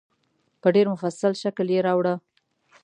په ډېر مفصل شکل یې راوړه.